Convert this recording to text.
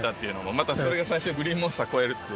またそれが最初にグリーンモンスター越えるって。